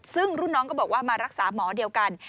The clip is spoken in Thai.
ซึ่งรุ่นน้องก็บอกว่ามารักษาหมอเดียวกัน